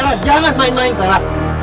gara gara jangan main main gara